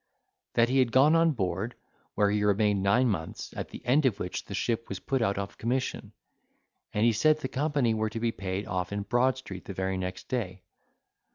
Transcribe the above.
That he had gone on board, where he remained nine months, at the end of which the ship was put out of commission, and he said the company were to be paid off in Broad Street the very next day.